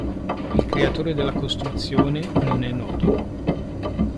Il creatore della costruzione non è noto.